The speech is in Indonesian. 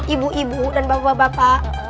ibu ibu dan bapak bapak